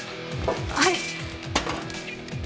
はい。